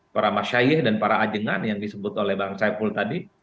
para masyayih dan para ajengan yang disebut oleh bang saipul tadi